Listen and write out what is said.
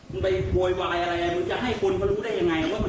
มึงไปโวยวายอะไรมึงจะให้คนเขารู้ได้ยังไงว่า